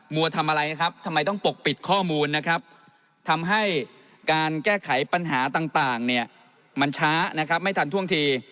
มัวทำอะไรทำไมต้องปกปิดข้อมูลทำให้การแก้ไขปัญหาต่างมันช้าไม่ทันท่วงที